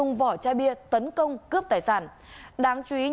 ném vỏ chai bia đe dọa rồi cướp chiếc xe máy